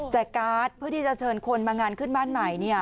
การ์ดเพื่อที่จะเชิญคนมางานขึ้นบ้านใหม่